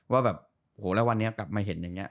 ว่าแบบโหแล้ววันนี้กลับมาเห็นอย่างนี้